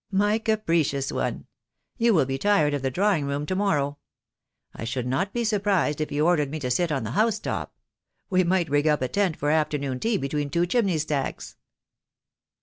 "My capricious one. You will be tired of the drawing room to morrow. I should not be surprised if you ordered me to sit on the housetop. We might rig up a tent for afternoon tea between two chimney stacks."